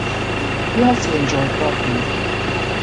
He also enjoyed walking.